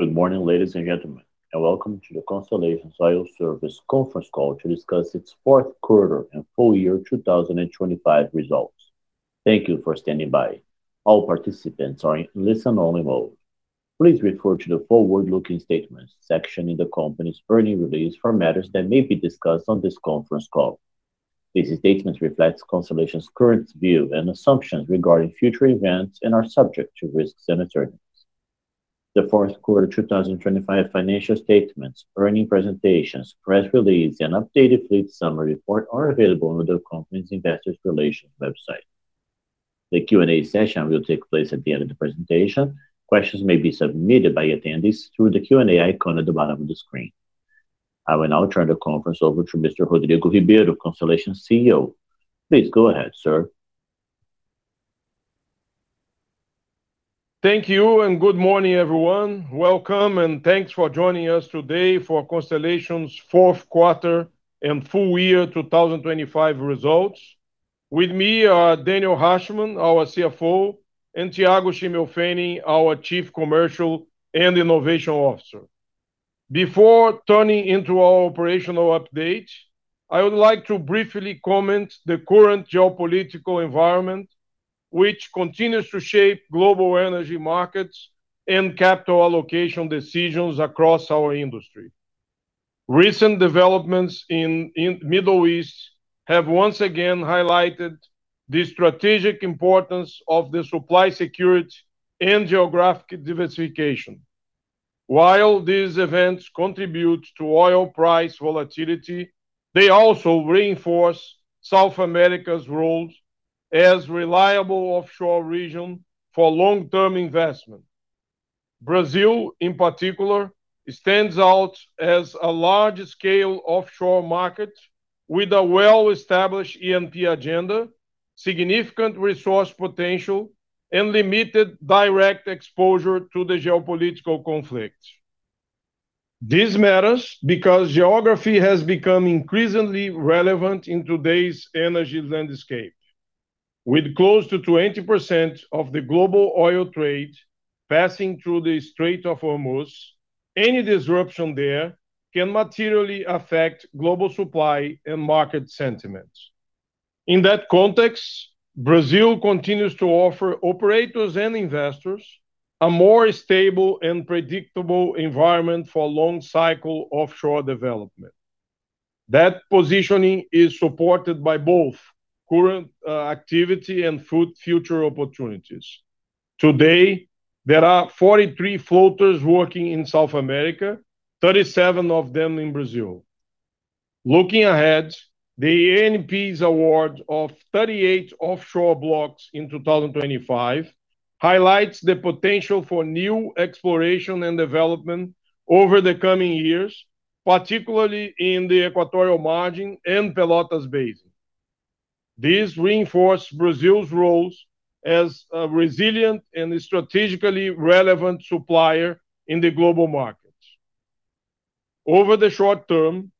Good morning, ladies and gentlemen, and welcome to the Constellation Oil Services conference call to discuss its fourth quarter and full year 2025 results. Thank you for standing by. All participants are in listen-only mode. Please refer to the forward-looking statements section in the company's earnings release for matters that may be discussed on this conference call. These statements reflect Constellation's current view and assumptions regarding future events and are subject to risks and uncertainties. The fourth quarter 2025 financial statements, earnings presentations, press release, and updated fleet summary report are available on the company's investor relations website. The Q&A session will take place at the end of the presentation. Questions may be submitted by attendees through the Q&A icon at the bottom of the screen. I will now turn the conference over to Mr. Rodrigo Ribeiro, Constellation's CEO. Please go ahead, sir. Thank you, and good morning, everyone. Welcome, and thanks for joining us today for Constellation's fourth quarter and full year 2025 results. With me are Daniel Rachman, our CFO, and Thiago Schimmelpfennig, our Chief Commercial and Innovation Officer. Before turning to our operational update, I would like to briefly comment on the current geopolitical environment, which continues to shape global energy markets and capital allocation decisions across our industry. Recent developments in Middle East have once again highlighted the strategic importance of the supply security and geographic diversification. While these events contribute to oil price volatility, they also reinforce South America's role as reliable offshore region for long-term investment. Brazil, in particular, stands out as a large scale offshore market with a well-established ANP agenda, significant resource potential, and limited direct exposure to the geopolitical conflict. This matters because geography has become increasingly relevant in today's energy landscape. With close to 20% of the global oil trade passing through the Strait of Hormuz, any disruption there can materially affect global supply and market sentiments. In that context, Brazil continues to offer operators and investors a more stable and predictable environment for long cycle offshore development. That positioning is supported by both current activity and future opportunities. Today, there are 43 floaters working in South America, 37 of them in Brazil. Looking ahead, the ANP's award of 38 offshore blocks in 2025 highlights the potential for new exploration and development over the coming years, particularly in the Equatorial Margin and Pelotas Basin. This reinforce Brazil's roles as a resilient and strategically relevant supplier in the global markets. Over the short term,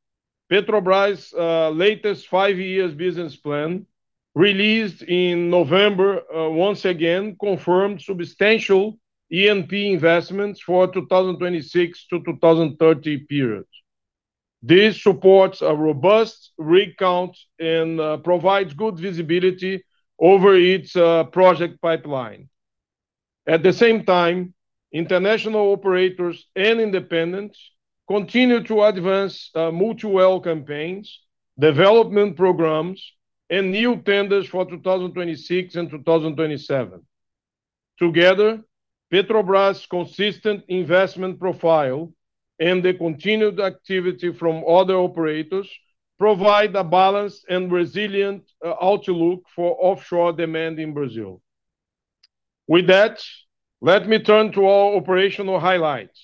Petrobras' latest five year business plan, released in November, once again confirmed substantial E&P investments for 2026 to 2030 period. This supports a robust rig count and provides good visibility over its project pipeline. At the same time, international operators and independents continue to advance multi-well campaigns, development programs, and new tenders for 2026 and 2027. Together, Petrobras' consistent investment profile and the continued activity from other operators provide a balanced and resilient outlook for offshore demand in Brazil. With that, let me turn to our operational highlights.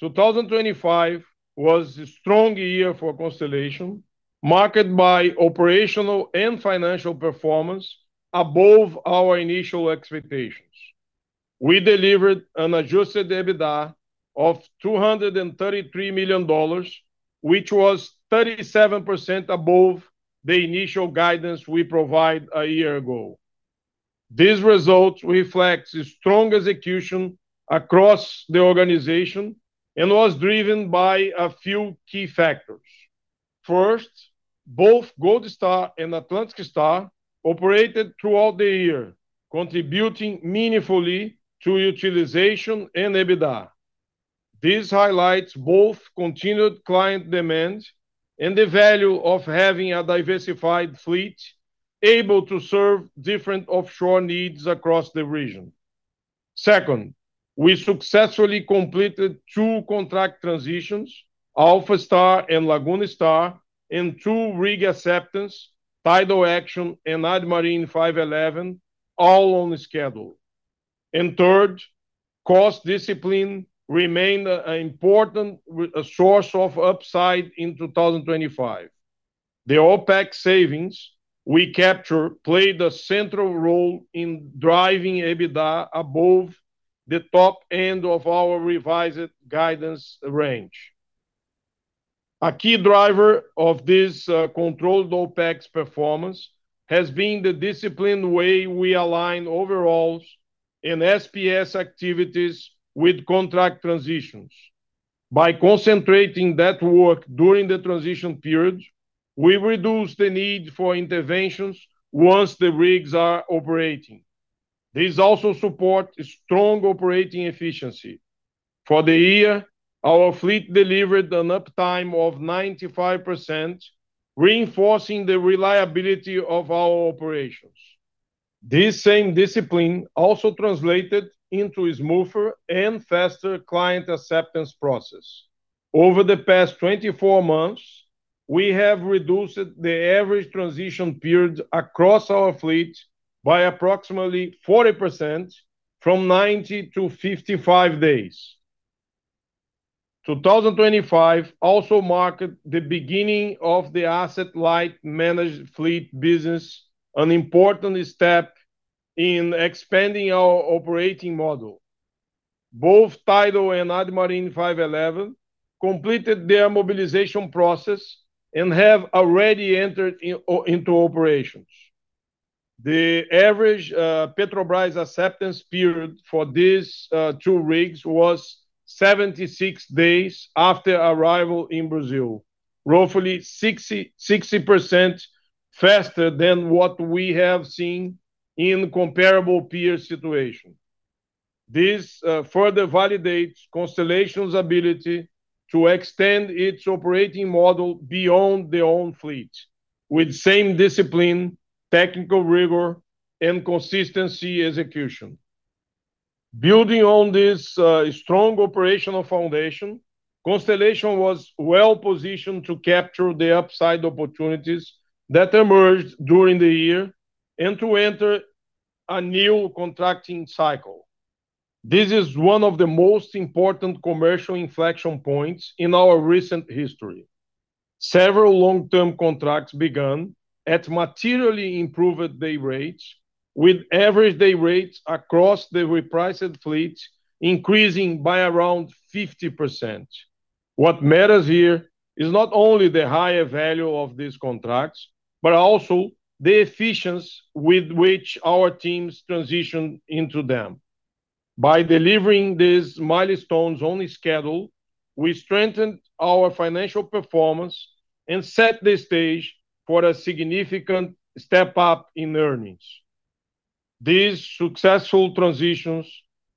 2025 was a strong year for Constellation, marked by operational and financial performance above our initial expectations. We delivered an adjusted EBITDA of $233 million, which was 37% above the initial guidance we provide a year ago. This result reflects a strong execution across the organization and was driven by a few key factors. First, both Gold Star and Atlantic Star operated throughout the year, contributing meaningfully to utilization and EBITDA. This highlights both continued client demand and the value of having a diversified fleet able to serve different offshore needs across the region. Second, we successfully completed two contract transitions, Alpha Star and Laguna Star, and two rig acceptance, Tidal Action and ADMARINE 511, all on schedule. Third, cost discipline remained an important source of upside in 2025. The OpEx savings we capture played a central role in driving EBITDA above the top end of our revised guidance range. A key driver of this, controlled OpEx performance has been the disciplined way we align overhauls and SPS activities with contract transitions. By concentrating that work during the transition period, we reduce the need for interventions once the rigs are operating. This also support strong operating efficiency. For the year, our fleet delivered an uptime of 95%, reinforcing the reliability of our operations. This same discipline also translated into a smoother and faster client acceptance process. Over the past 24 months, we have reduced the average transition period across our fleet by approximately 40% from 90 to 55 days. 2025 also marked the beginning of the asset-light managed fleet business, an important step in expanding our operating model. Both Tidal and ADMARINE 511 completed their mobilization process and have already entered into operations. The average Petrobras acceptance period for these two rigs was 76 days after arrival in Brazil, roughly 60% faster than what we have seen in comparable peer situation. This further validates Constellation's ability to extend its operating model beyond their own fleet with same discipline, technical rigor, and consistent execution. Building on this strong operational foundation, Constellation was well-positioned to capture the upside opportunities that emerged during the year and to enter a new contracting cycle. This is one of the most important commercial inflection points in our recent history. Several long-term contracts began at materially improved day rates, with average day rates across the repriced fleet increasing by around 50%. What matters here is not only the higher value of these contracts, but also the efficiency with which our teams transitioned into them. By delivering these milestones on schedule, we strengthened our financial performance and set the stage for a significant step up in earnings. These successful transitions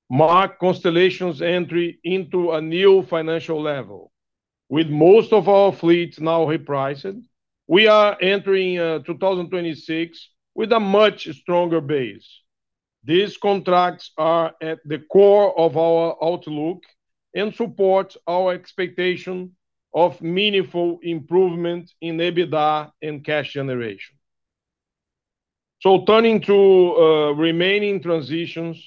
mark Constellation's entry into a new financial level. With most of our fleet now repriced, we are entering 2026 with a much stronger base. These contracts are at the core of our outlook and support our expectation of meaningful improvement in EBITDA and cash generation. Turning to remaining transitions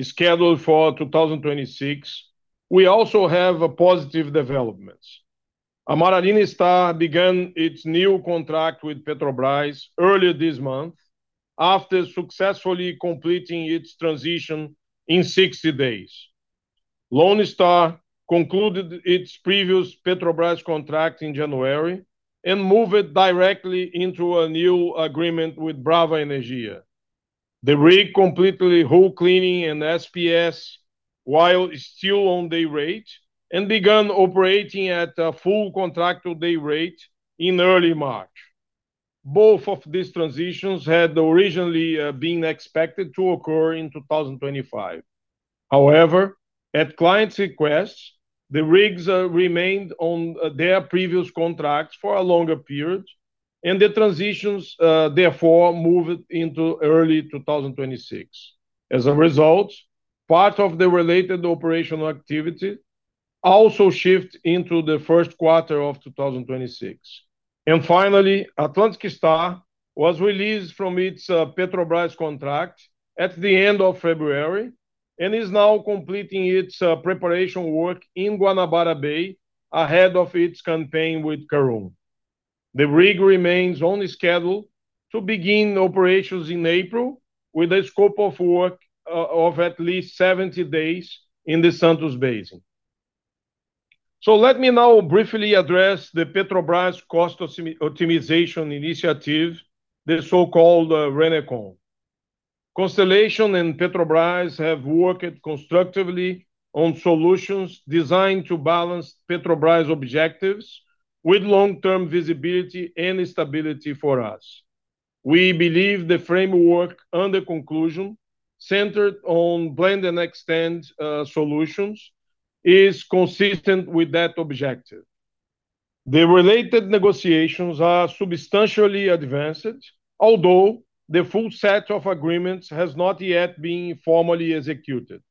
scheduled for 2026, we also have a positive development. Amaralina Star began its new contract with Petrobras earlier this month after successfully completing its transition in 60 days. Lone Star concluded its previous Petrobras contract in January and moved directly into a new agreement with Brava Energia. The rig completed hull cleaning and SPS while still on day rate and began operating at full contractual day rate in early March. Both of these transitions had originally been expected to occur in 2025. However, at client's request, the rigs remained on their previous contracts for a longer period, and the transitions therefore moved into early 2026. As a result, part of the related operational activity also shift into the first quarter of 2026. Finally, Atlantic Star was released from its Petrobras contract at the end of February and is now completing its preparation work in Guanabara Bay ahead of its campaign with Karoon. The rig remains on schedule to begin operations in April with a scope of work of at least 70 days in the Santos Basin. Let me now briefly address the Petrobras cost optimization initiative, the so-called Renecon. Constellation and Petrobras have worked constructively on solutions designed to balance Petrobras' objectives with long-term visibility and stability for us. We believe the framework under conclusion, centered on blend-and-extend solutions, is consistent with that objective. The related negotiations are substantially advanced, although the full set of agreements has not yet been formally executed.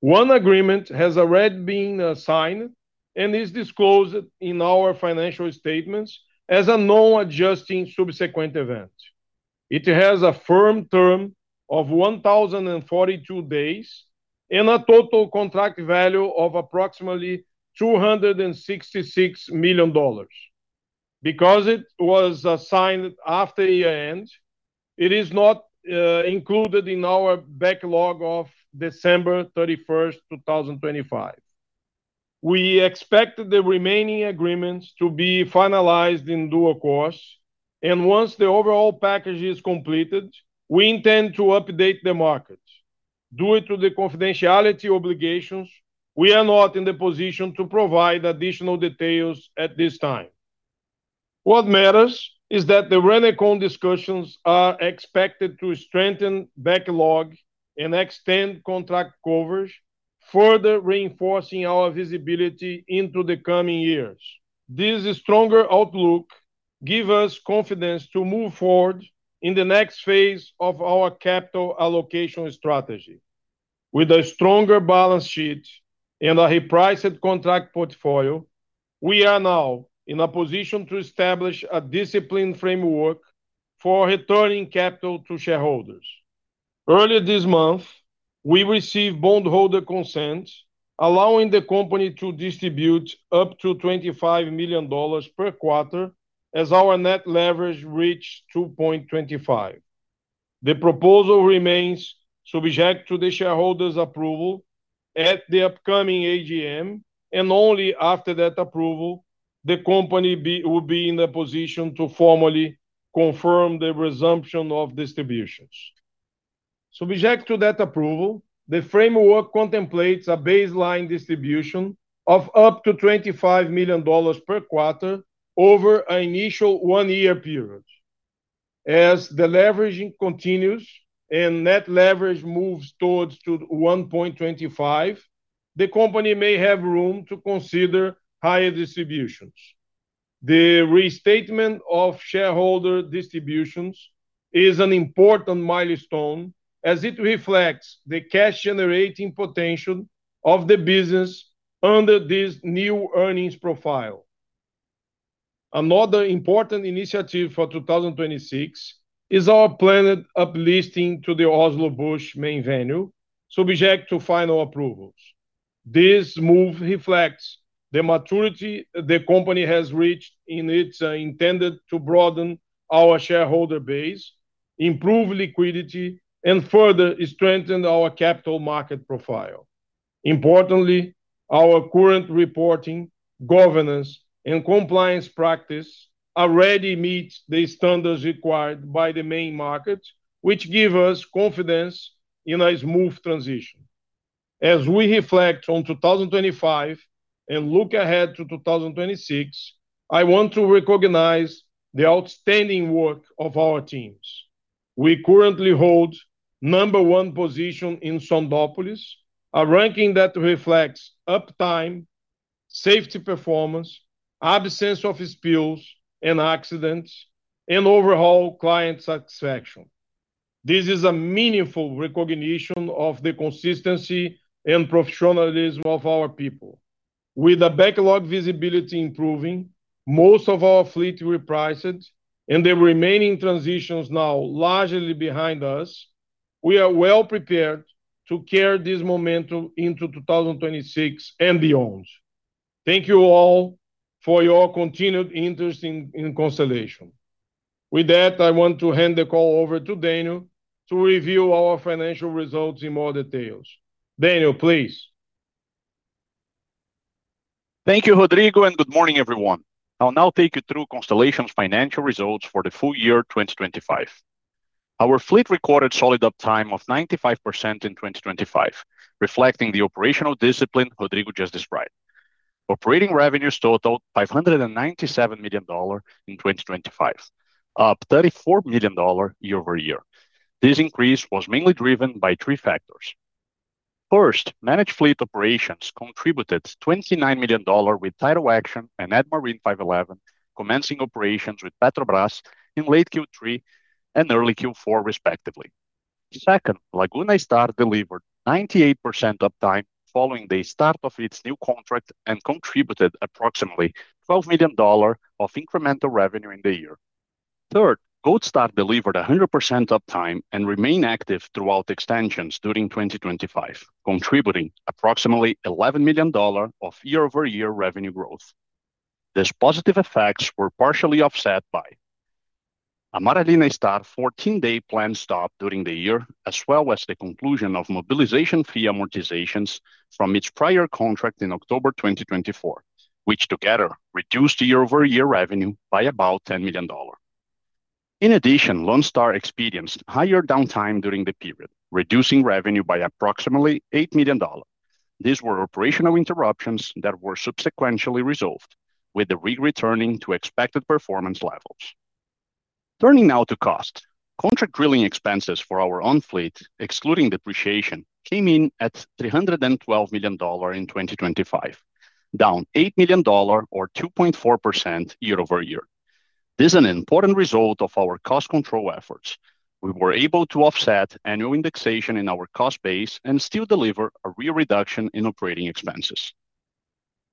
One agreement has already been signed and is disclosed in our financial statements as a non-adjusting subsequent event. It has a firm term of 1,042 days and a total contract value of approximately $266 million. Because it was signed after year-end, it is not included in our backlog of December 31, 2025. We expect the remaining agreements to be finalized in due course, and once the overall package is completed, we intend to update the market. Due to the confidentiality obligations, we are not in the position to provide additional details at this time. What matters is that the Renecon discussions are expected to strengthen backlog and extend contract coverage, further reinforcing our visibility into the coming years. This stronger outlook give us confidence to move forward in the next phase of our capital allocation strategy. With a stronger balance sheet and a repriced contract portfolio, we are now in a position to establish a disciplined framework for returning capital to shareholders. Early this month, we received bondholder consent, allowing the company to distribute up to $25 million per quarter as our net leverage reach 2.25. The proposal remains subject to the shareholders' approval at the upcoming AGM, and only after that approval, the company will be in a position to formally confirm the resumption of distributions. Subject to that approval, the framework contemplates a baseline distribution of up to $25 million per quarter over an initial one year period. As the leveraging continues and net leverage moves towards 1.25, the company may have room to consider higher distributions. The restatement of shareholder distributions is an important milestone, as it reflects the cash-generating potential of the business under this new earnings profile. Another important initiative for 2026 is our planned up-listing to the Oslo Børs main venue, subject to final approvals. This move reflects the maturity the company has reached, and it's intended to broaden our shareholder base, improve liquidity, and further strengthen our capital market profile. Importantly, our current reporting, governance, and compliance practice already meet the standards required by the main market, which give us confidence in a smooth transition. As we reflect on 2025 and look ahead to 2026, I want to recognize the outstanding work of our teams. We currently hold number one position in Sondópolis, a ranking that reflects uptime, safety performance, absence of spills and accidents, and overall client satisfaction. This is a meaningful recognition of the consistency and professionalism of our people. With the backlog visibility improving, most of our fleet repriced, and the remaining transitions now largely behind us, we are well-prepared to carry this momentum into 2026 and beyond. Thank you all for your continued interest in Constellation. With that, I want to hand the call over to Daniel to review our financial results in more details. Daniel, please. Thank you, Rodrigo, and good morning, everyone. I'll now take you through Constellation's financial results for the full year 2025. Our fleet recorded solid uptime of 95% in 2025, reflecting the operational discipline Rodrigo just described. Operating revenues totaled $597 million in 2025, up $34 million year-over-year. This increase was mainly driven by three factors. First, managed fleet operations contributed $29 million with Tidal Action and ADMARINE 511 commencing operations with Petrobras in late Q3 and early Q4 respectively. Second, Laguna Star delivered 98% uptime following the start of its new contract, and contributed approximately $12 million of incremental revenue in the year. Third, Gold Star delivered 100% uptime and remained active throughout extensions during 2025, contributing approximately $11 million of year-over-year revenue growth. These positive effects were partially offset by Amaralina Star 14 day planned stop during the year, as well as the conclusion of mobilization fee amortizations from its prior contract in October 2024, which together reduced year-over-year revenue by about $10 million. In addition, Lone Star experienced higher downtime during the period, reducing revenue by approximately $8 million. These were operational interruptions that were subsequently resolved, with the rig returning to expected performance levels. Turning now to cost. Contract drilling expenses for our own fleet, excluding depreciation, came in at $312 million in 2025, down $8 million or 2.4% year-over-year. This is an important result of our cost control efforts. We were able to offset annual indexation in our cost base and still deliver a real reduction in operating expenses.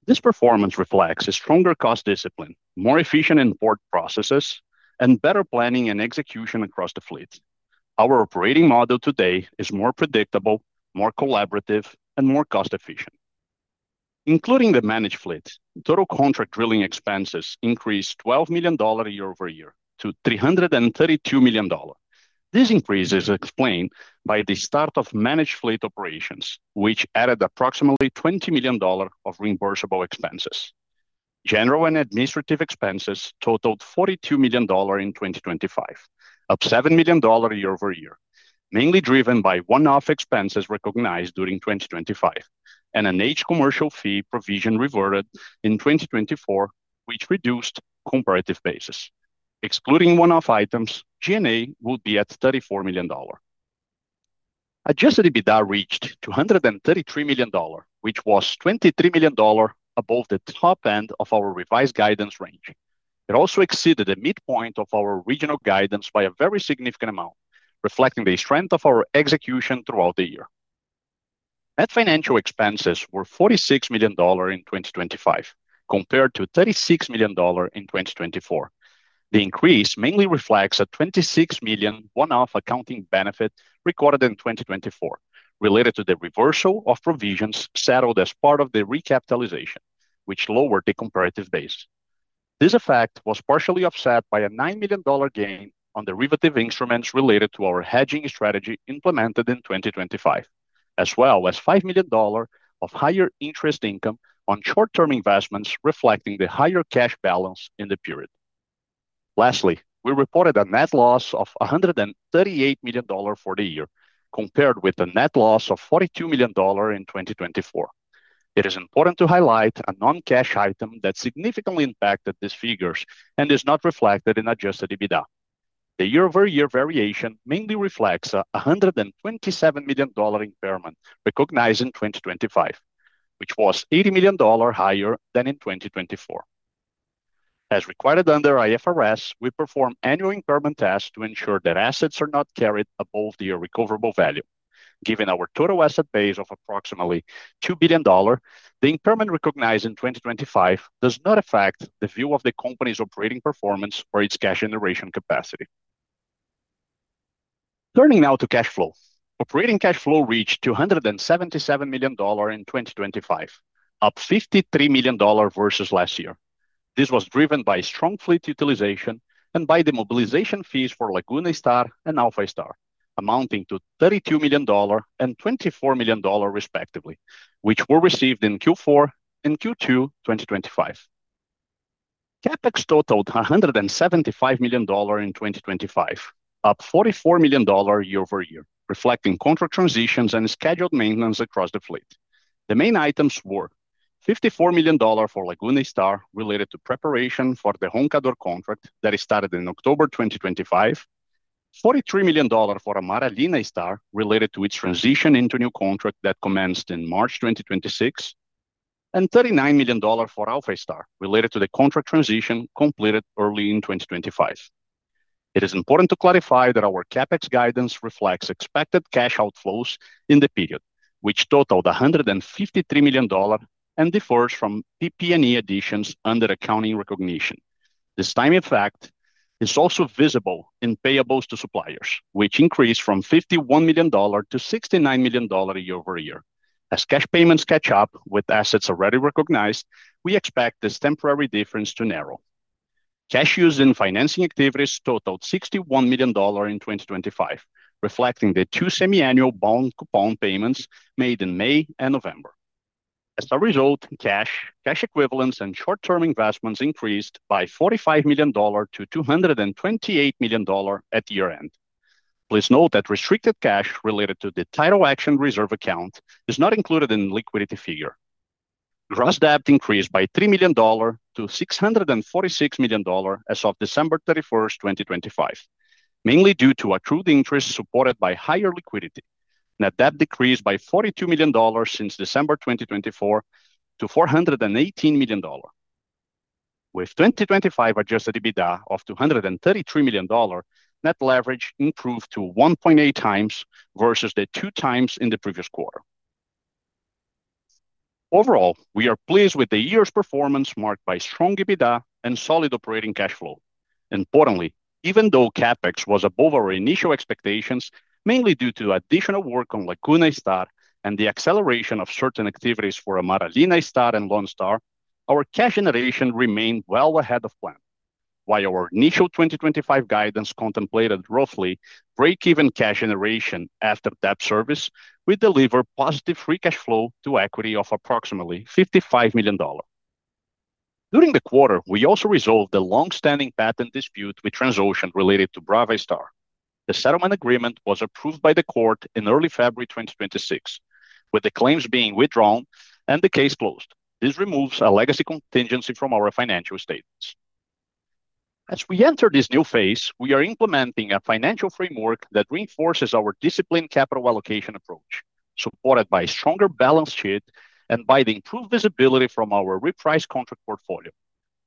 This performance reflects a stronger cost discipline, more efficient import processes, and better planning and execution across the fleet. Our operating model today is more predictable, more collaborative, and more cost efficient. Including the managed fleet, total contract drilling expenses increased $12 million year-over-year to $332 million. This increase is explained by the start of managed fleet operations, which added approximately $20 million of reimbursable expenses. General and administrative expenses totaled $42 million in 2025, up $7 million year-over-year, mainly driven by one-off expenses recognized during 2025, and an age commercial fee provision reverted in 2024, which reduced comparative basis. Excluding one-off items, G&A would be at $34 million. Adjusted EBITDA reached $233 million, which was $23 million above the top end of our revised guidance range. It also exceeded the midpoint of our regional guidance by a very significant amount, reflecting the strength of our execution throughout the year. Net financial expenses were $46 million in 2025, compared to $36 million in 2024. The increase mainly reflects a $26 million one-off accounting benefit recorded in 2024 related to the reversal of provisions settled as part of the recapitalization, which lowered the comparative base. This effect was partially offset by a $9 million gain on derivative instruments related to our hedging strategy implemented in 2025, as well as $5 million of higher interest income on short-term investments reflecting the higher cash balance in the period. Lastly, we reported a net loss of $138 million for the year, compared with a net loss of $42 million in 2024. It is important to highlight a non-cash item that significantly impacted these figures and is not reflected in adjusted EBITDA. The year-over-year variation mainly reflects a $127 million impairment recognized in 2025, which was $80 million higher than in 2024. As required under IFRS, we perform annual impairment tests to ensure that assets are not carried above their recoverable value. Given our total asset base of approximately $2 billion, the impairment recognized in 2025 does not affect the view of the company's operating performance or its cash generation capacity. Turning now to cash flow. Operating cash flow reached $277 million in 2025, up $53 million versus last year. This was driven by strong fleet utilization and by the mobilization fees for Laguna Star and Alpha Star, amounting to $32 million and $24 million respectively, which were received in Q4 and Q2 2025. CapEx totaled $175 million in 2025, up $44 million year-over-year, reflecting contract transitions and scheduled maintenance across the fleet. The main items were $54 million for Laguna Star related to preparation for the Roncador contract that started in October 2025, $43 million for Amaralina Star related to its transition into a new contract that commenced in March 2026, and $39 million for Alpha Star related to the contract transition completed early in 2025. It is important to clarify that our CapEx guidance reflects expected cash outflows in the period, which totaled $153 million and differs from PP&E additions under accounting recognition. This timing effect is also visible in payables to suppliers, which increased from $51 million to $69 million year-over-year. As cash payments catch up with assets already recognized, we expect this temporary difference to narrow. Cash used in financing activities totaled $61 million in 2025, reflecting the two semi-annual bond coupon payments made in May and November. As a result, cash equivalents, and short-term investments increased by $45 million to $228 million at year-end. Please note that restricted cash related to the Tidal Action reserve account is not included in liquidity figure. Gross debt increased by $3 million to $646 million as of December 31, 2025, mainly due to accrued interest supported by higher liquidity. Net debt decreased by $42 million since December 2024 to $418 million. With 2025 adjusted EBITDA of $233 million, net leverage improved to 1.8x versus the 2x in the previous quarter. Overall, we are pleased with the year's performance marked by strong EBITDA and solid operating cash flow. Importantly, even though CapEx was above our initial expectations, mainly due to additional work on Laguna Star and the acceleration of certain activities for Amaralina Star and Lone Star, our cash generation remained well ahead of plan. While our initial 2025 guidance contemplated roughly break-even cash generation after debt service, we delivered positive free cash flow to equity of approximately $55 million. During the quarter, we also resolved a long-standing patent dispute with Transocean related to Brava Star. The settlement agreement was approved by the court in early February 2026, with the claims being withdrawn and the case closed. This removes a legacy contingency from our financial statements. As we enter this new phase, we are implementing a financial framework that reinforces our disciplined capital allocation approach, supported by a stronger balance sheet and by the improved visibility from our repriced contract portfolio.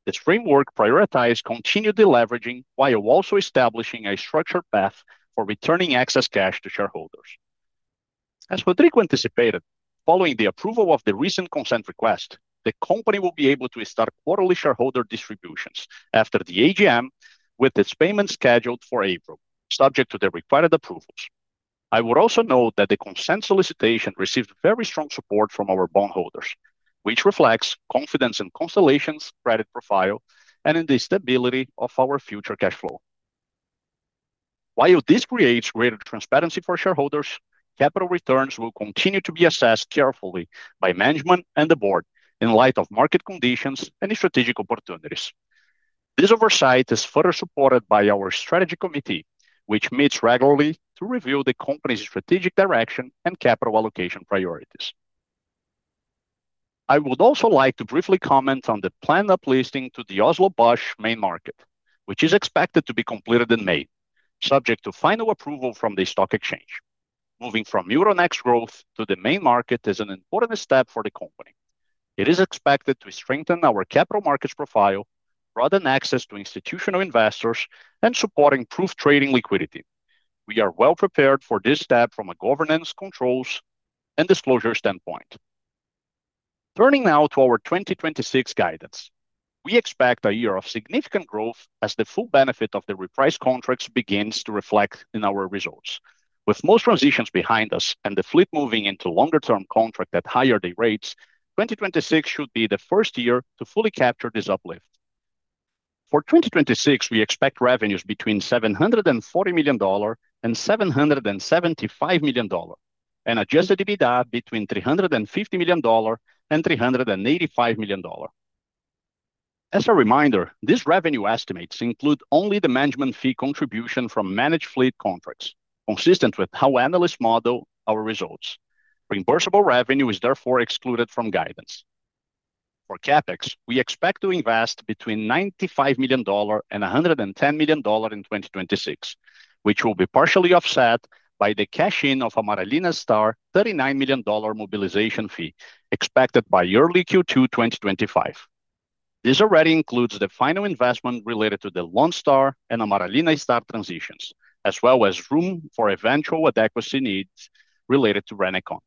This framework prioritizes continued deleveraging while also establishing a structured path for returning excess cash to shareholders. As Rodrigo anticipated, following the approval of the recent consent request, the company will be able to start quarterly shareholder distributions after the AGM, with its payment scheduled for April, subject to the required approvals. I would also note that the consent solicitation received very strong support from our bondholders, which reflects confidence in Constellation's credit profile and in the stability of our future cash flow. While this creates greater transparency for shareholders, capital returns will continue to be assessed carefully by management and the board in light of market conditions and strategic opportunities. This oversight is further supported by our strategy committee, which meets regularly to review the company's strategic direction and capital allocation priorities. I would also like to briefly comment on the planned uplisting to the Oslo Børs main market, which is expected to be completed in May, subject to final approval from the stock exchange. Moving from Euronext Growth to the main market is an important step for the company. It is expected to strengthen our capital markets profile, broaden access to institutional investors, and support improved trading liquidity. We are well prepared for this step from a governance, controls, and disclosure standpoint. Turning now to our 2026 guidance. We expect a year of significant growth as the full benefit of the repriced contracts begins to reflect in our results. With most transitions behind us and the fleet moving into longer-term contract at higher day rates, 2026 should be the first year to fully capture this uplift. For 2026, we expect revenues between $740 million and $775 million, and adjusted EBITDA between $350 million and $385 million. As a reminder, these revenue estimates include only the management fee contribution from managed fleet contracts, consistent with how analysts model our results. Reimbursable revenue is therefore excluded from guidance. For CapEx, we expect to invest between $95 million and $110 million in 2026, which will be partially offset by the cash-in of Amaralina Star $39 million mobilization fee expected by early Q2 2025. This already includes the final investment related to the Lone Star and Amaralina Star transitions, as well as room for eventual adequacy needs related to Renecon.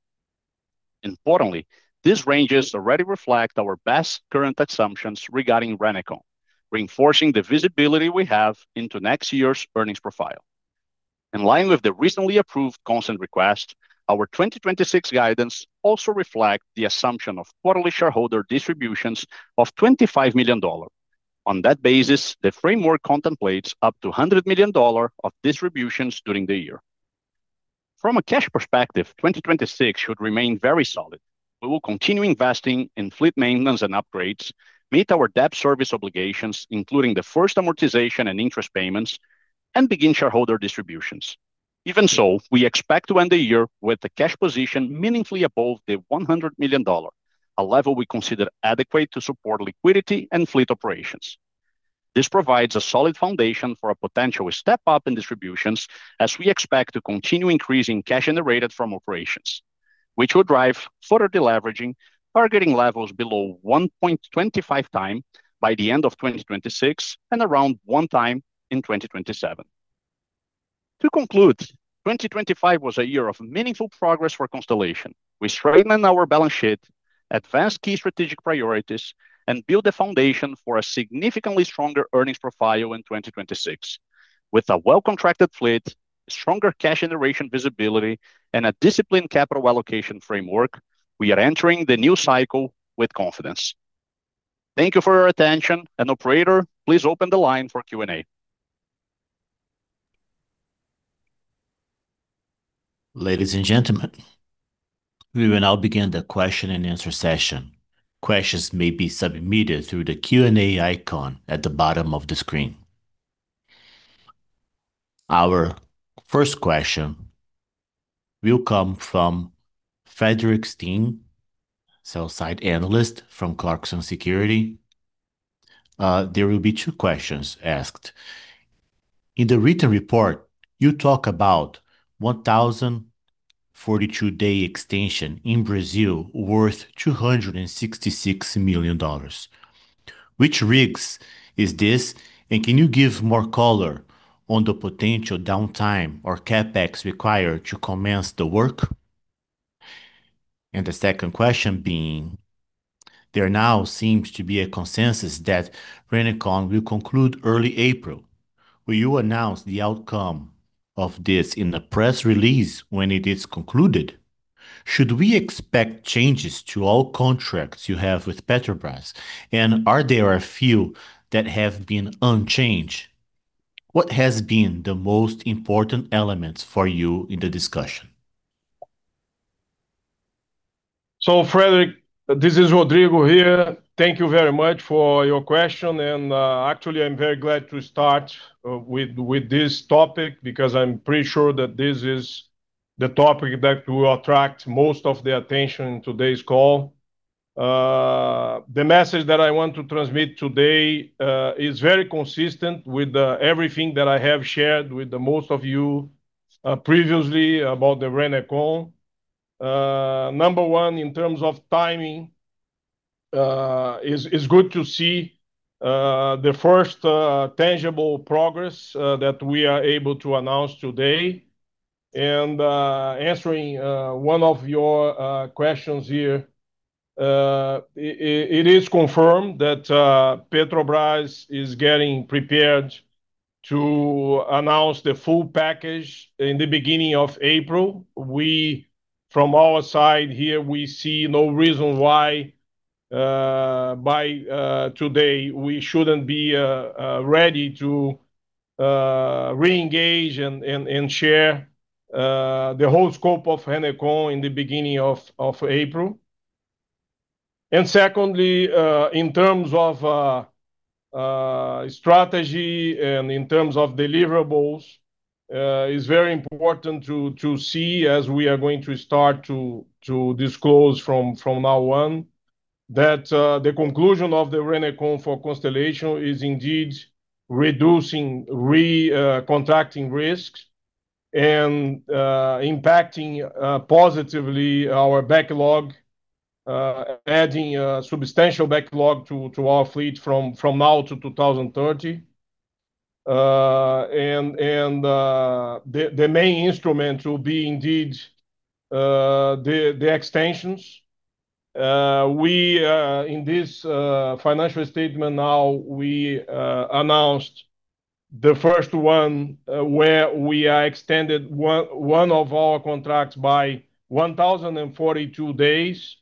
Importantly, these ranges already reflect our best current assumptions regarding Renecon, reinforcing the visibility we have into next year's earnings profile. In line with the recently approved consent request, our 2026 guidance also reflect the assumption of quarterly shareholder distributions of $25 million. On that basis, the framework contemplates up to $100 million of distributions during the year. From a cash perspective, 2026 should remain very solid. We will continue investing in fleet maintenance and upgrades, meet our debt service obligations, including the first amortization and interest payments, and begin shareholder distributions. Even so, we expect to end the year with the cash position meaningfully above $100 million, a level we consider adequate to support liquidity and fleet operations. This provides a solid foundation for a potential step up in distributions as we expect to continue increasing cash generated from operations, which will drive further deleveraging, targeting levels below 1.25x by the end of 2026 and around 1x in 2027. To conclude, 2025 was a year of meaningful progress for Constellation. We strengthened our balance sheet, advanced key strategic priorities, and built the foundation for a significantly stronger earnings profile in 2026. With a well-contracted fleet, stronger cash generation visibility, and a disciplined capital allocation framework, we are entering the new cycle with confidence. Thank you for your attention. Operator, please open the line for Q&A. Ladies and gentlemen, we will now begin the question-and-answer session. Questions may be submitted through the Q&A icon at the bottom of the screen. Our first question will come from Frederik Steen, Sell-side Analyst from Clarksons Securities. There will be two questions asked. In the written report, you talk about 1,042 day extension in Brazil worth $266 million. Which rigs is this, and can you give more color on the potential downtime or CapEx required to commence the work? The second question being, there now seems to be a consensus that Renecon will conclude early April. Will you announce the outcome of this in the press release when it is concluded? Should we expect changes to all contracts you have with Petrobras? Are there a few that have been unchanged? What has been the most important elements for you in the discussion? Frederick, this is Rodrigo here. Thank you very much for your question. Actually, I'm very glad to start with this topic, because I'm pretty sure that this is the topic that will attract most of the attention in today's call. The message that I want to transmit today is very consistent with everything that I have shared with most of you previously about the Renecon. Number one, in terms of timing, is good to see the first tangible progress that we are able to announce today. Answering one of your questions here, it is confirmed that Petrobras is getting prepared to announce the full package in the beginning of April. We, from our side here, we see no reason why by today we shouldn't be ready to re-engage and share the whole scope of Renecon in the beginning of April. Secondly, in terms of strategy and in terms of deliverables, it's very important to see as we are going to start to disclose from now on that the conclusion of the Renecon for Constellation is indeed reducing recontracting risks and impacting positively our backlog, adding a substantial backlog to our fleet from now to 2030. The main instrument will be indeed the extensions. In this financial statement now, we announced the first one where we are extended one of our contracts by 1,042 days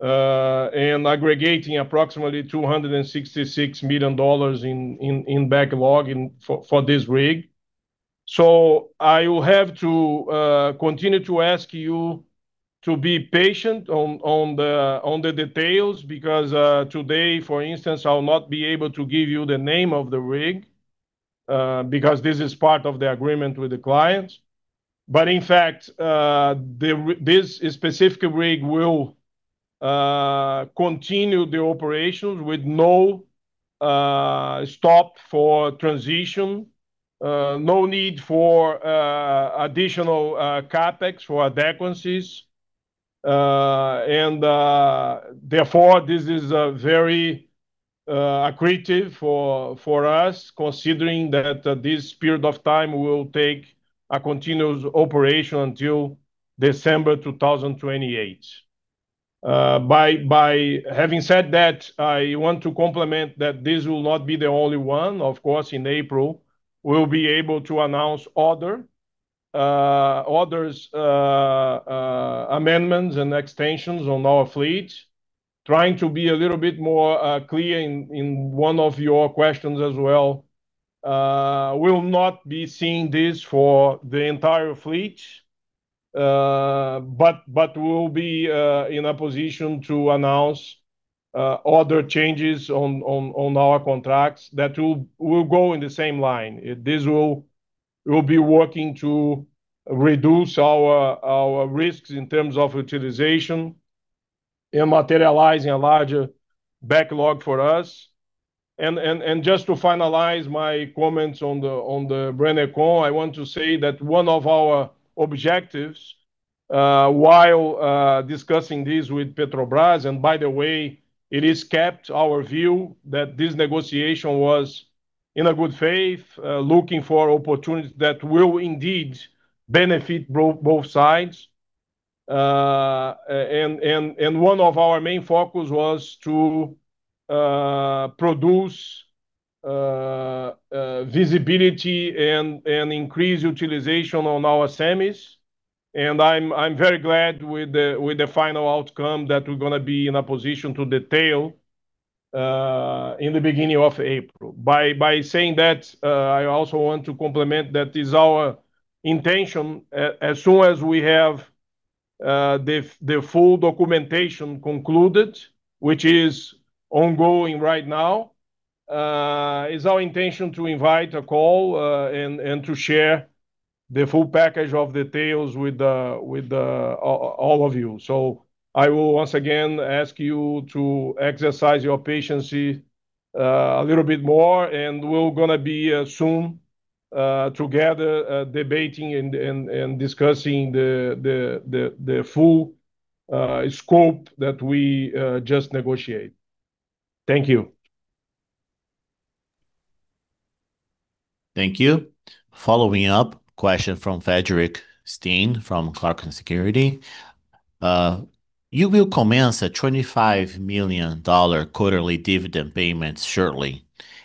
and aggregating approximately $266 million in backlog for this rig. I will have to continue to ask you to be patient on the details because today for instance, I will not be able to give you the name of the rig because this is part of the agreement with the client. In fact, this specific rig will continue the operations with no stop for transition, no need for additional CapEx for adequacies. Therefore, this is a very accretive for us considering that this period of time will take a continuous operation until December 2028. By having said that, I want to complement that this will not be the only one. Of course, in April, we'll be able to announce other amendments and extensions on our fleet. Trying to be a little bit more clear in one of your questions as well, we'll not be seeing this for the entire fleet, but we'll be in a position to announce other changes on our contracts that will go in the same line. This will be working to reduce our risks in terms of utilization and materializing a larger backlog for us. Just to finalize my comments on the Renecon, I want to say that one of our objectives, while discussing this with Petrobras, and by the way, it is, in our view, that this negotiation was in good faith, looking for opportunities that will indeed benefit both sides. One of our main focus was to produce visibility and increase utilization on our semis. I'm very glad with the final outcome that we're gonna be in a position to detail in the beginning of April. By saying that, I also want to complement that it is our intention, as soon as we have the full documentation concluded, which is ongoing right now, to invite a call and to share the full package of details with all of you. I will once again ask you to exercise your patience a little bit more, and we're gonna be soon together debating and discussing the full scope that we just negotiated. Thank you. Thank you. Following up, question from Frederik Steen from Clarksons Securities. You will commence a $25 million quarterly dividend payments shortly.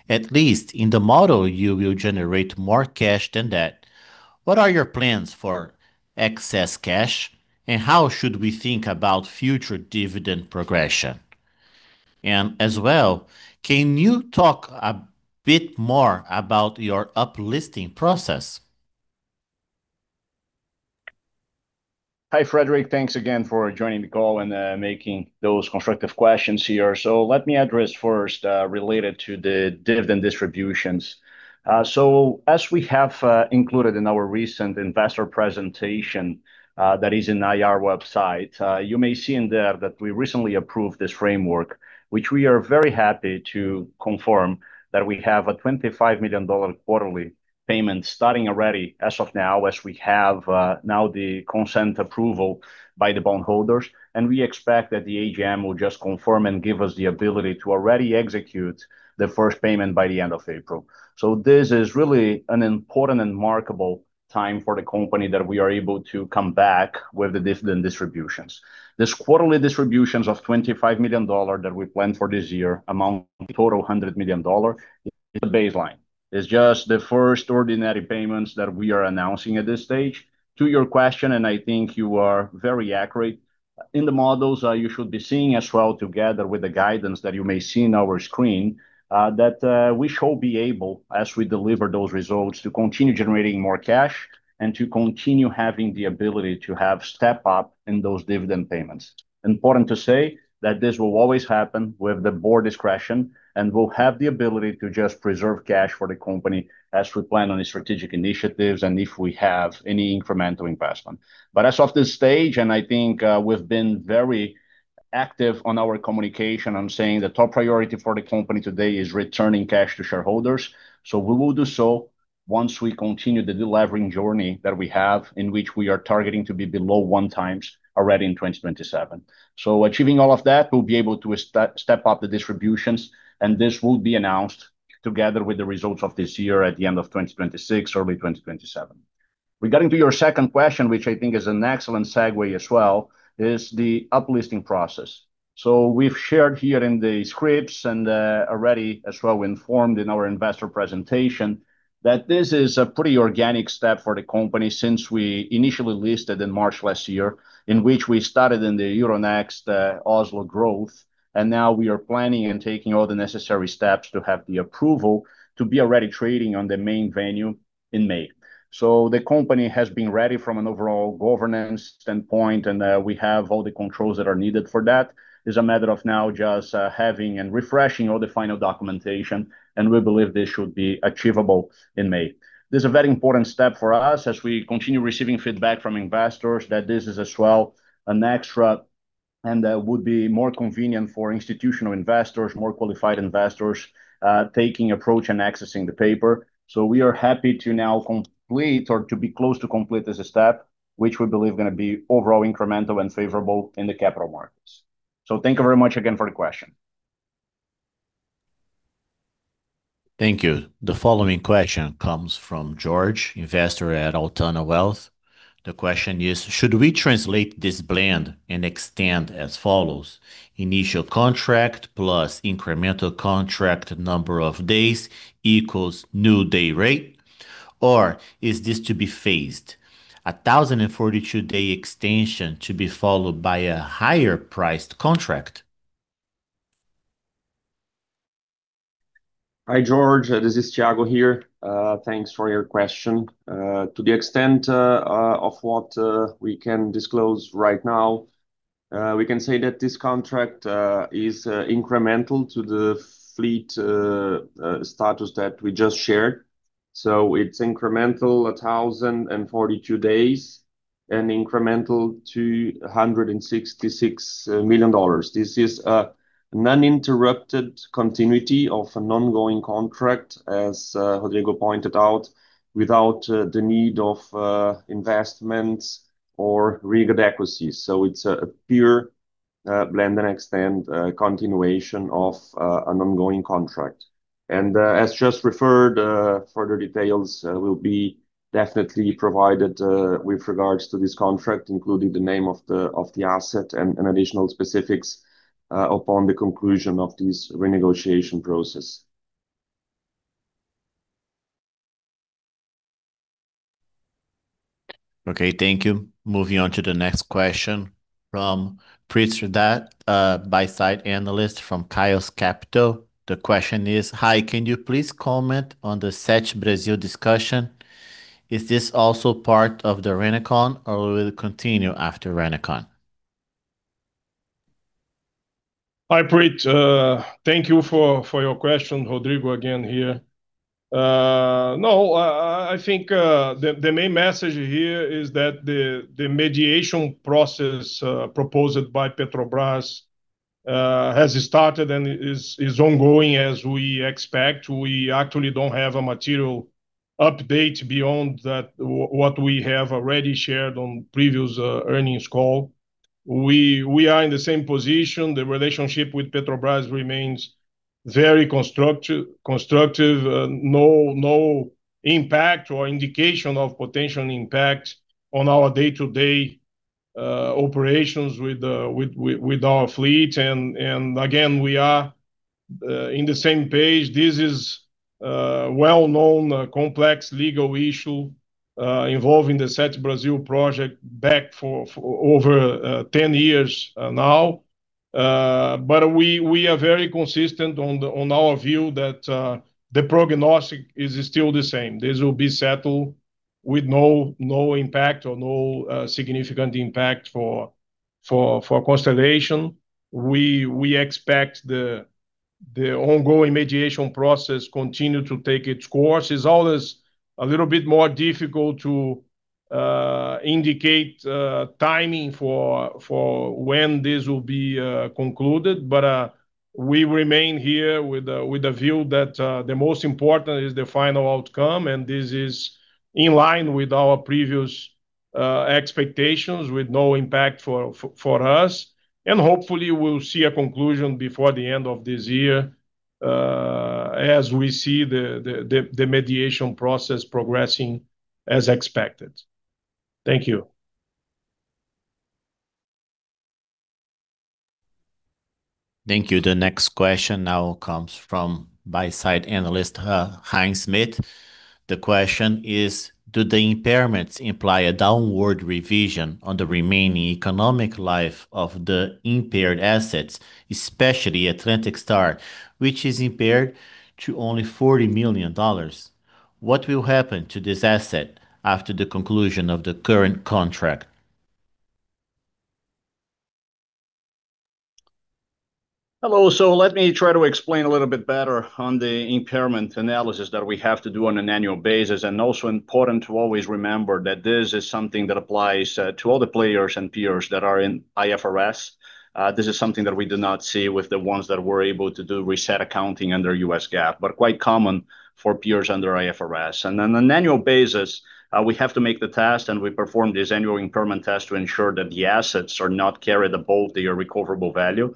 At least in the model, you will generate more cash than that. What are your plans for excess cash, and how should we think about future dividend progression? And as well, can you talk a bit more about your up-listing process? Hi, Frederik. Thanks again for joining the call and making those constructive questions here. Let me address first related to the dividend distributions. As we have included in our recent investor presentation, that is in IR website, you may see in there that we recently approved this framework, which we are very happy to confirm that we have a $25 million quarterly payments starting already as of now as we have now the consent approval by the bondholders, and we expect that the AGM will just confirm and give us the ability to already execute the first payment by the end of April. This is really an important and remarkable time for the company that we are able to come back with the dividend distributions. These quarterly distributions of $25 million that we plan for this year amounting to $100 million is the baseline. It's just the first ordinary payments that we are announcing at this stage. To your question, and I think you are very accurate, in the models, you should be seeing as well together with the guidance that you may see in our screen, that, we shall be able, as we deliver those results, to continue generating more cash and to continue having the ability to have step up in those dividend payments. Important to say that this will always happen with the board discretion and will have the ability to just preserve cash for the company as we plan on the strategic initiatives and if we have any incremental investment. As of this stage, and I think, we've been very active on our communication on saying the top priority for the company today is returning cash to shareholders. We will do so once we continue the deleveraging journey that we have in which we are targeting to be below 1x already in 2027. Achieving all of that, we'll be able to step up the distributions, and this will be announced together with the results of this year at the end of 2026, early 2027. Regarding your second question, which I think is an excellent segue as well, is the uplisting process. We've shared here in the scripts and already as well informed in our investor presentation that this is a pretty organic step for the company since we initially listed in March last year, in which we started in the Euronext Oslo Growth, and now we are planning and taking all the necessary steps to have the approval to be already trading on the main venue in May. The company has been ready from an overall governance standpoint, and we have all the controls that are needed for that. It's a matter of now just having and refreshing all the final documentation, and we believe this should be achievable in May. This is a very important step for us as we continue receiving feedback from investors that this is as well an extra and that would be more convenient for institutional investors, more qualified investors taking approach and accessing the paper. We are happy to now complete or to be close to complete this step, which we believe gonna be overall incremental and favorable in the capital markets. Thank you very much again for the question. Thank you. The following question comes from George, investor at Altana Wealth. The question is: Should we translate this blend and extend as follows, initial contract plus incremental contract number of days equals new day rate, or is this to be phased, a 1,042 day extension to be followed by a higher priced contract? Hi, George. This is Thiago here. Thanks for your question. To the extent of what we can disclose right now, we can say that this contract is incremental to the fleet status that we just shared. It's incremental, 1,042 days and incremental $266 million. This is an uninterrupted continuity of an ongoing contract, as Rodrigo pointed out, without the need of investments or readequacy. It's a pure blend-and-extend continuation of an ongoing contract. As just referred, further details will be definitely provided with regards to this contract, including the name of the asset and additional specifics upon the conclusion of this renegotiation process. Okay, thank you. Moving on to the next question from Preet Radat, Buy-side Analyst from Kairos Capital. The question is: Hi, can you please comment on the Sete Brasil discussion? Is this also part of the Renecon, or will it continue after Renecon? Hi, Preet. Thank you for your question. Rodrigo again here. No, I think the main message here is that the mediation process proposed by Petrobras has started and is ongoing as we expect. We actually don't have a material update beyond that, what we have already shared on previous earnings call. We are in the same position. The relationship with Petrobras remains very constructive. No impact or indication of potential impact on our day-to-day operations with our fleet. Again, we are on the same page. This is well-known complex legal issue involving the Sete Brasil project back for over 10 years now. We are very consistent on our view that the prognosis is still the same. This will be settled with no impact or no significant impact for Constellation. We expect the ongoing mediation process continue to take its course. It's always a little bit more difficult to Indicate timing for when this will be concluded, but we remain here with a view that the most important is the final outcome, and this is in line with our previous expectations with no impact for us. Hopefully we'll see a conclusion before the end of this year, as we see the mediation process progressing as expected. Thank you. Thank you. The next question now comes from Buyside Analyst, Heinz Smith. The question is, do the impairments imply a downward revision on the remaining economic life of the impaired assets, especially Atlantic Star, which is impaired to only $40 million? What will happen to this asset after the conclusion of the current contract? Hello. Let me try to explain a little bit better on the impairment analysis that we have to do on an annual basis, and also important to always remember that this is something that applies to all the players and peers that are in IFRS. This is something that we do not see with the ones that were able to do reset accounting under U.S. GAAP, but quite common for peers under IFRS. On an annual basis, we have to make the test, and we perform this annual impairment test to ensure that the assets are not carried above their recoverable value.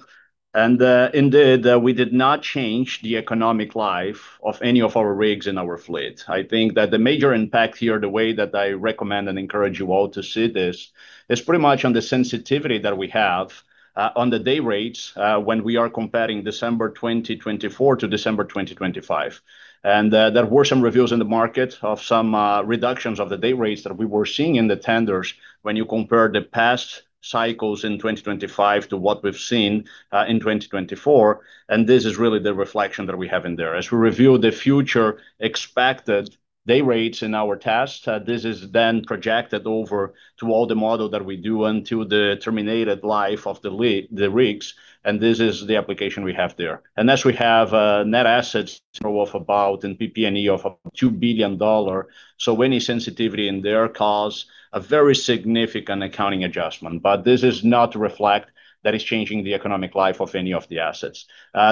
Indeed, we did not change the economic life of any of our rigs in our fleet. I think that the major impact here, the way that I recommend and encourage you all to see this, is pretty much on the sensitivity that we have on the day rates when we are comparing December 2024 to December 2025. There were some reviews in the market of some reductions of the day rates that we were seeing in the tenders when you compare the past cycles in 2025 to what we've seen in 2024, and this is really the reflection that we have in there. As we review the future expected day rates in our test, this is then projected over to all the model that we do until the terminated life of the rigs, and this is the application we have there. As we have net assets of about $2 billion in PP&E, so any sensitivity in there cause a very significant accounting adjustment, but this does not reflect that it's changing the economic life of any of the assets.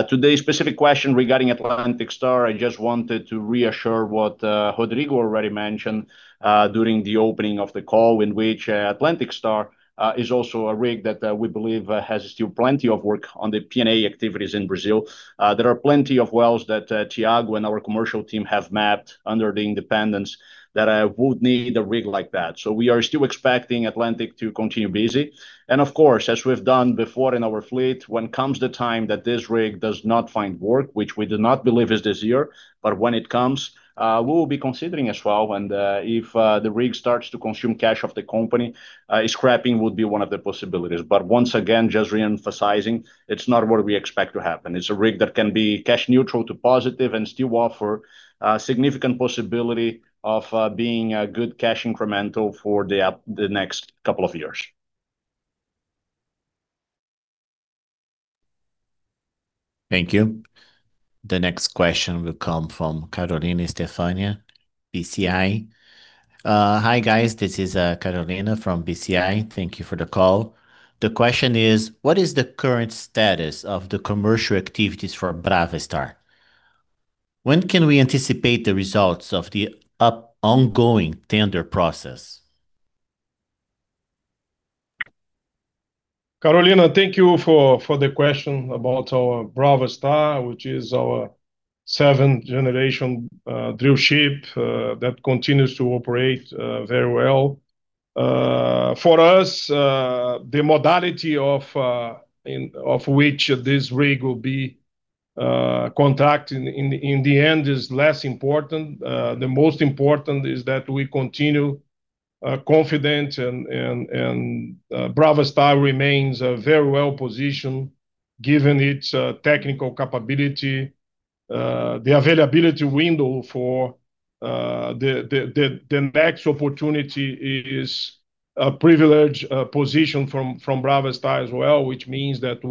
Today's specific question regarding Atlantic Star, I just wanted to reassure what Rodrigo already mentioned during the opening of the call in which Atlantic Star is also a rig that we believe has still plenty of work on the P&A activities in Brazil. There are plenty of wells that Thiago and our commercial team have mapped under the independents that would need a rig like that. We are still expecting Atlantic to continue busy. Of course, as we've done before in our fleet, when comes the time that this rig does not find work, which we do not believe is this year, but when it comes, we will be considering a swap. If the rig starts to consume cash of the company, scrapping would be one of the possibilities. Once again, just re-emphasizing, it's not what we expect to happen. It's a rig that can be cash neutral to positive and still offer a significant possibility of being a good cash incremental for the next couple of years. Thank you. The next question will come from Carolina Stefania, BCI. Hi guys, this is Carolina from BCI. Thank you for the call. The question is, what is the current status of the commercial activities for Brava Star? When can we anticipate the results of the ongoing tender process? Carolina, thank you for the question about our Brava Star, which is our seventh-generation drillship that continues to operate very well. For us, the modality in which this rig will be contracted in the end is less important. The most important is that we continue confident and Brava Star remains very well-positioned given its technical capability. The availability window for the next opportunity is a privileged position from Brava Star as well, which means that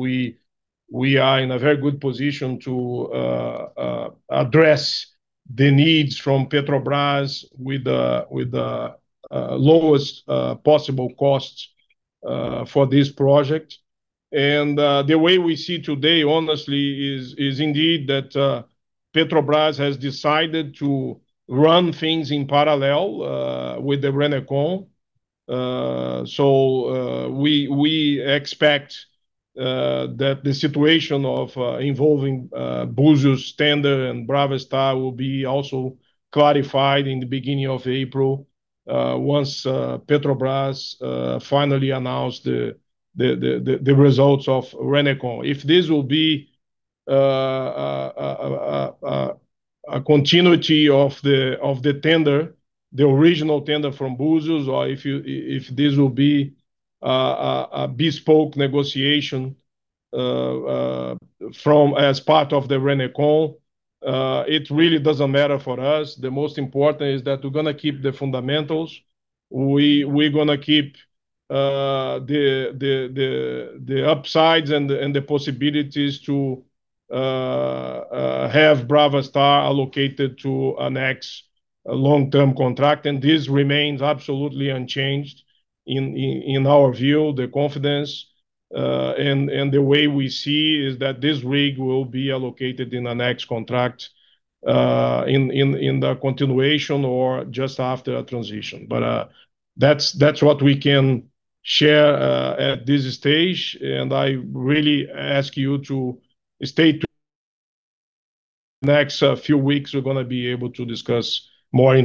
we are in a very good position to address the needs from Petrobras with the lowest possible costs for this project. The way we see today, honestly, is indeed that Petrobras has decided to run things in parallel with the Renecon. We expect that the situation involving Búzios tender and Brava Star will be also clarified in the beginning of April, once Petrobras finally announce the results of Renecon. If this will be a continuity of the tender, the original tender from Búzios, or if this will be a bespoke negotiation from as part of the Renecon, it really doesn't matter for us. The most important is that we're gonna keep the fundamentals. We're gonna keep the upsides and the possibilities to have Brava Star allocated to a next long-term contract, and this remains absolutely unchanged. In our view, the confidence and the way we see is that this rig will be allocated in the next contract in the continuation or just after a transition. That's what we can share at this stage, and I really ask you to stay next few weeks. We're gonna be able to discuss more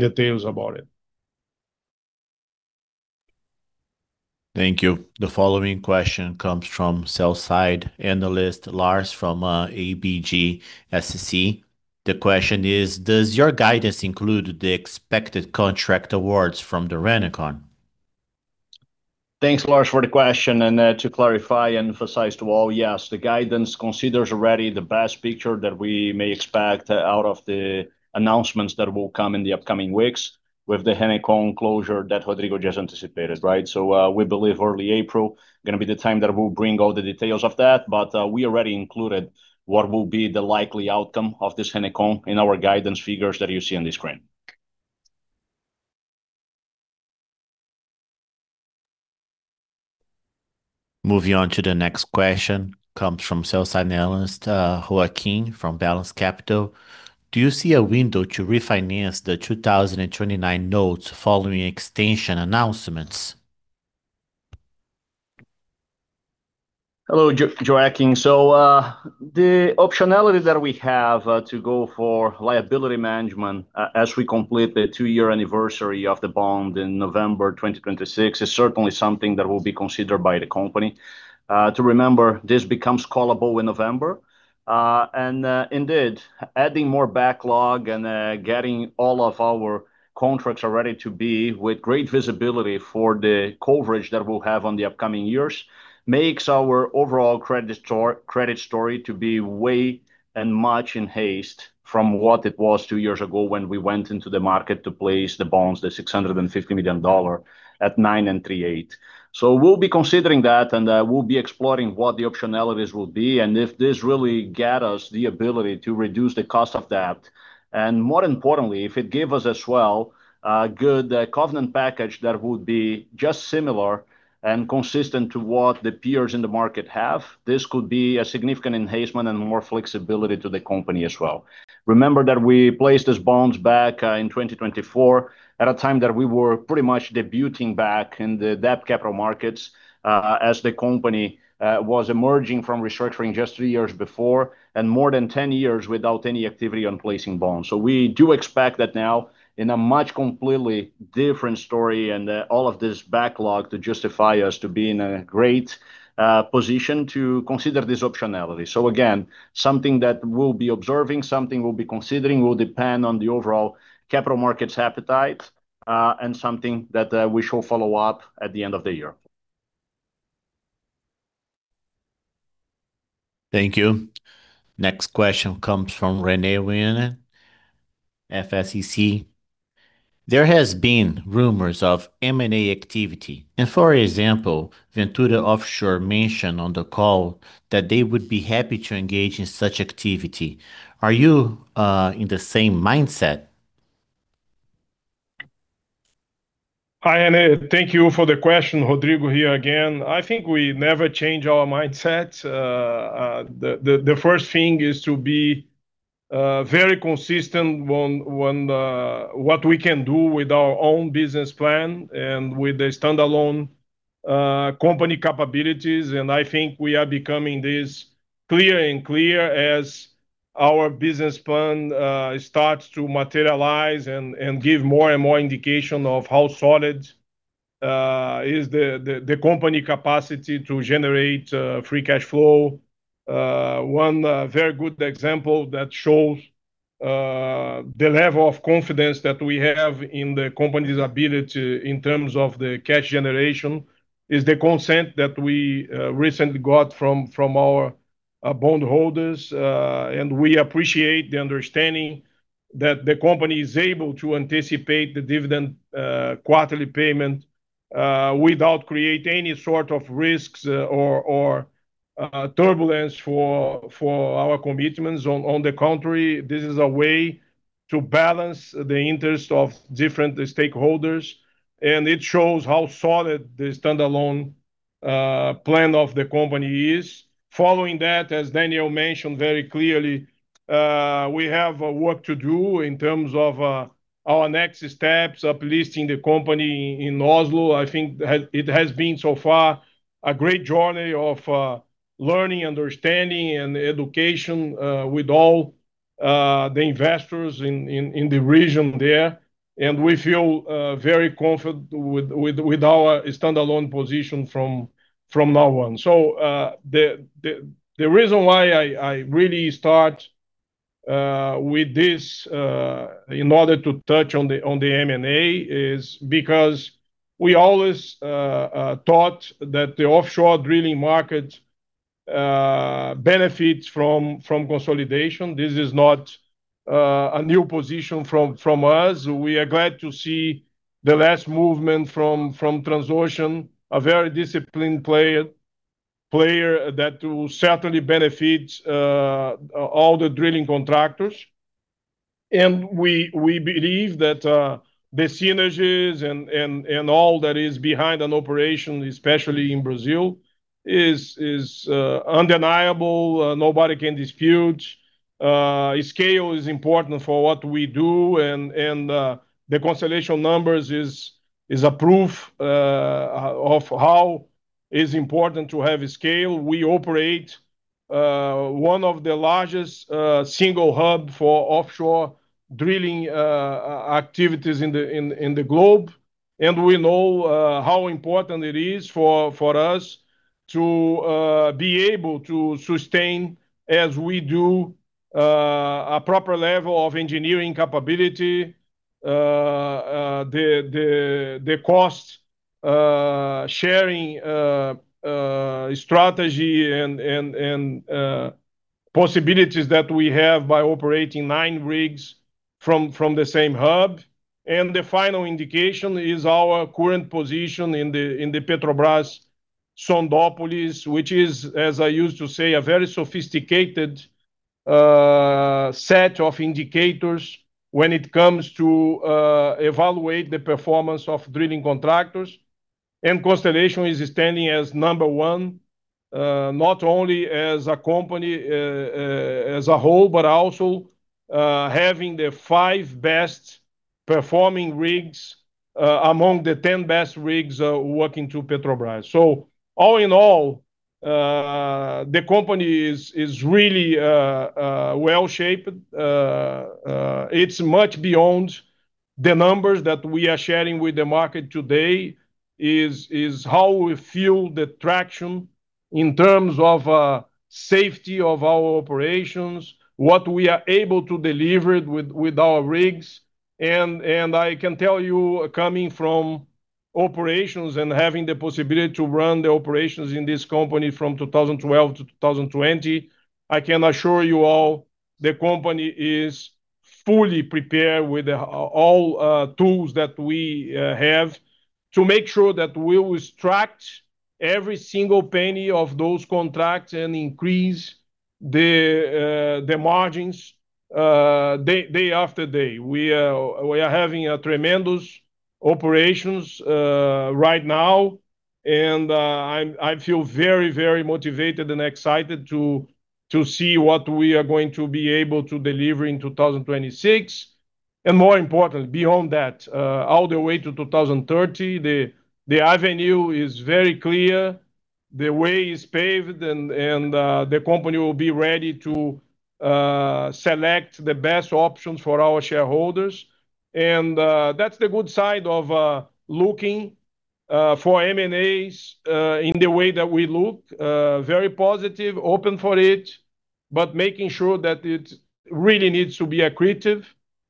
in details about it. Thank you. The following question comes from sell-side analyst Lars from ABGSC. The question is: Does your guidance include the expected contract awards from the Renecon? Thanks, Lars, for the question. To clarify, emphasize to all, yes, the guidance considers already the best picture that we may expect out of the announcements that will come in the upcoming weeks with the Renecon closure that Rodrigo just anticipated, right? We believe early April gonna be the time that we'll bring all the details of that. We already included what will be the likely outcome of this Renecon in our guidance figures that you see on the screen. Moving on to the next question comes from Sell-side Analyst, Joaquin from Balanz Capital. Do you see a window to refinance the 2029 notes following extension announcements? Hello, Joaquin. The optionality that we have to go for liability management as we complete the two year anniversary of the bond in November 2026 is certainly something that will be considered by the company. To remember, this becomes callable in November. Indeed, adding more backlog and getting all of our contracts ready to be with great visibility for the coverage that we'll have on the upcoming years makes our overall credit story to be way and much enhanced from what it was two years ago when we went into the market to place the bonds, the $650 million, at 9.38%. We'll be considering that, and we'll be exploring what the optionalities will be, and if this really get us the ability to reduce the cost of that. More importantly, if it give us as well a good covenant package that would be just similar and consistent to what the peers in the market have, this could be a significant enhancement and more flexibility to the company as well. Remember that we placed these bonds back in 2024 at a time that we were pretty much debuting back in the debt capital markets as the company was emerging from restructuring just three years before, and more than 10 years without any activity on placing bonds. We do expect that now in a much completely different story and all of this backlog to justify us to be in a great position to consider this optionality. Again, something that we'll be observing, something we'll be considering, will depend on the overall capital markets appetite, and something that we shall follow up at the end of the year. Thank you. Next question comes from Rene Ryan, FSEC. There has been rumors of M&A activity. For example, Ventura Offshore mentioned on the call that they would be happy to engage in such activity. Are you in the same mindset? Hi, Rene. Thank you for the question. Rodrigo here again. I think we never change our mindset. The first thing is to be very consistent on what we can do with our own business plan and with the standalone company capabilities. I think we are becoming clearer and clearer as our business plan starts to materialize and give more and more indication of how solid is the company capacity to generate free cash flow. One very good example that shows the level of confidence that we have in the company's ability in terms of the cash generation is the consent that we recently got from our bond holders. We appreciate the understanding that the company is able to anticipate the dividend quarterly payment without creating any sort of risks or turbulence for our commitments. On the contrary, this is a way to balance the interests of different stakeholders, and it shows how solid the standalone plan of the company is. Following that, as Daniel mentioned very clearly, we have work to do in terms of our next steps of listing the company in Oslo. I think it has been so far a great journey of learning, understanding and education with all the investors in the region there. We feel very comfortable with our standalone position from now on. The reason why I really start with this in order to touch on the M&A is because we always thought that the offshore drilling market benefits from consolidation. This is not a new position from us. We are glad to see the last movement from Transocean, a very disciplined player that will certainly benefit all the drilling contractors. We believe that the synergies and all that is behind an operation, especially in Brazil, is undeniable. Nobody can dispute. Scale is important for what we do and the Constellation numbers is a proof of how is important to have scale. We operate one of the largest single hub for offshore drilling activities in the globe, and we know how important it is for us to be able to sustain, as we do, a proper level of engineering capability, the cost sharing strategy and possibilities that we have by operating nine rigs from the same hub. The final indication is our current position in the Petrobras Sondópolis, which is, as I used to say, a very sophisticated set of indicators when it comes to evaluate the performance of drilling contractors. Constellation is standing as number one, not only as a company as a whole, but also having the five best performing rigs among the 10 best rigs working for Petrobras. All in all, the company is really well-shaped. It's much beyond the numbers that we are sharing with the market today. It's how we feel the traction in terms of safety of our operations, what we are able to deliver with our rigs. I can tell you, coming from operations and having the possibility to run the operations in this company from 2012 to 2020, I can assure you all the company is fully prepared with all tools that we have to make sure that we will extract every single penny of those contracts and increase the margins day after day. We are having a tremendous operations right now, and I feel very, very motivated and excited to see what we are going to be able to deliver in 2026. More important, beyond that, all the way to 2030, the avenue is very clear, the way is paved, and the company will be ready to select the best options for our shareholders. That's the good side of looking for M&As in the way that we look. Very positive, open for it, but making sure that it really needs to be accretive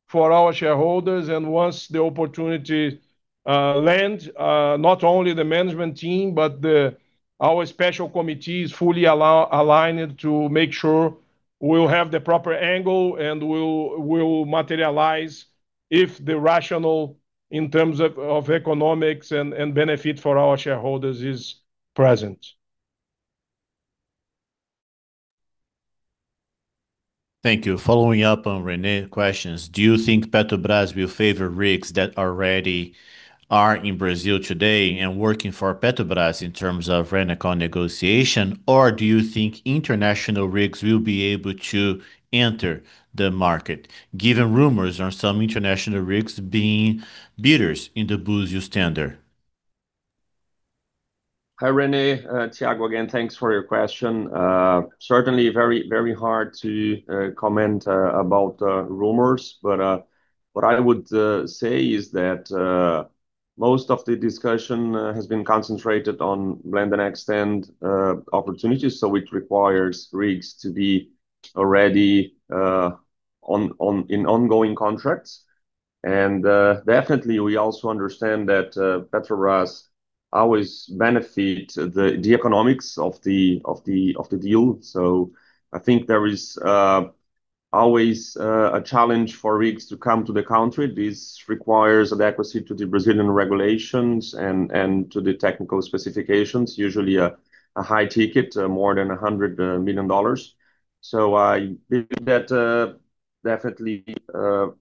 for our shareholders. Once the opportunity lands, not only the management team, but our special committee is fully aligned to make sure we'll have the proper angle and we'll materialize if the rationale in terms of economics and benefit for our shareholders is present. Thank you. Following up on Rene's questions. Do you think Petrobras will favor rigs that already are in Brazil today and working for Petrobras in terms of Renecon negotiation? Or do you think international rigs will be able to enter the market given rumors on some international rigs being bidders in the Búzios tender? Hi, Rene. Thiago again. Thanks for your question. Certainly very, very hard to comment about rumors. What I would say is that most of the discussion has been concentrated on blend-and-extend opportunities. It requires rigs to be already in ongoing contracts. Definitely we also understand that Petrobras always benefit the economics of the deal. I think there is always a challenge for rigs to come to the country. This requires adequacy to the Brazilian regulations and to the technical specifications. Usually a high ticket, more than $100 million. I believe that definitely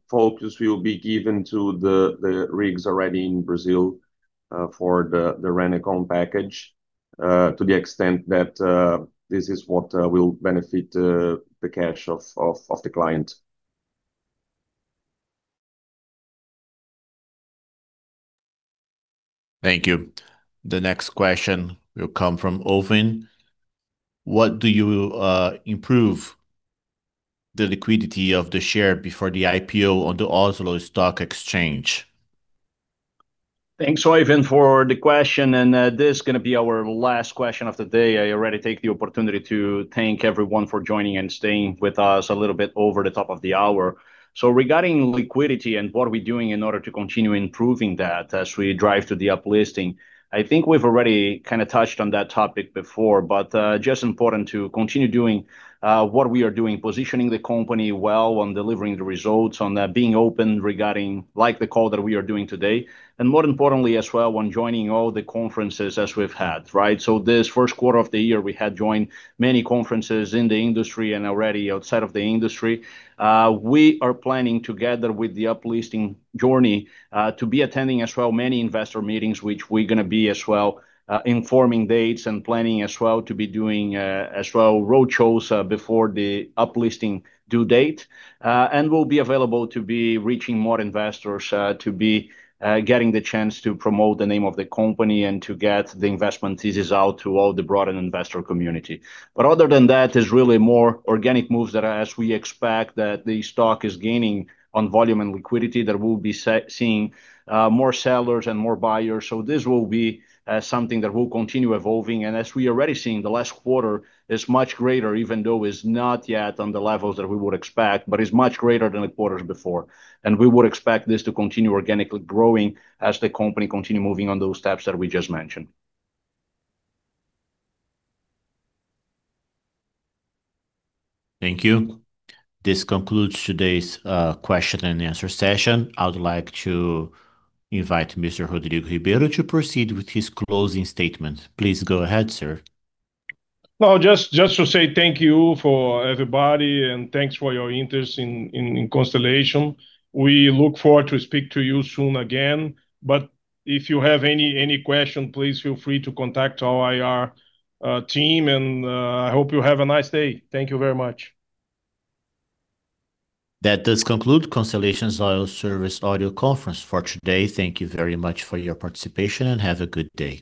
focus will be given to the rigs already in Brazil for the Renecon package to the extent that this is what will benefit the cash of the client. Thank you. The next question will come from Owen. What do you do to improve the liquidity of the share before the IPO on the Oslo Stock Exchange? Thanks, Owen, for the question, and this is gonna be our last question of the day. I already take the opportunity to thank everyone for joining and staying with us a little bit over the top of the hour. Regarding liquidity and what are we doing in order to continue improving that as we drive to the up-listing, I think we've already kinda touched on that topic before, but just important to continue doing what we are doing. Positioning the company well on delivering the results, on being open regarding like the call that we are doing today, and more importantly as well on joining all the conferences as we've had, right? This first quarter of the year we had joined many conferences in the industry and already outside of the industry. We are planning together with the up-listing journey to be attending as well many investor meetings, which we're gonna be as well informing dates and planning as well to be doing as well road shows before the up-listing due date. We'll be available to be reaching more investors to be getting the chance to promote the name of the company and to get the investment thesis out to all the broader investor community. Other than that, there's really more organic moves that are as we expect that the stock is gaining on volume and liquidity, that we'll be seeing more sellers and more buyers. This will be something that will continue evolving. As we are already seeing, the last quarter is much greater even though it's not yet on the levels that we would expect, but it's much greater than the quarters before. We would expect this to continue organically growing as the company continue moving on those steps that we just mentioned. Thank you. This concludes today's question and answer session. I would like to invite Mr. Rodrigo Ribeiro to proceed with his closing statement. Please go ahead, sir. No, just to say thank you for everybody, and thanks for your interest in Constellation. We look forward to speak to you soon again. If you have any question, please feel free to contact our IR team and I hope you have a nice day. Thank you very much. That does conclude Constellation Oil Services audio conference for today. Thank you very much for your participation, and have a good day.